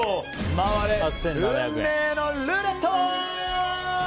回れ、運命のルーレット！